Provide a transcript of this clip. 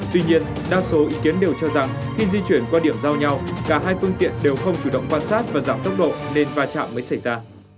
tuy nhiên đa số ý kiến đều cho rằng khi di chuyển qua điểm giao nhau cả hai phương tiện đều không chủ động quan sát và giảm tốc độ nên va chạm mới xảy ra